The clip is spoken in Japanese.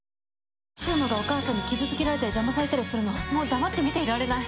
柊磨がお母さんに傷つけられたり邪魔されたりするのもう黙って見てられない。